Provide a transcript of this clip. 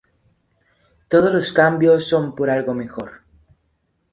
Todos los cambios son por algo mejor.